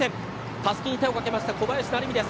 たすきに手を掛けた小林成美です。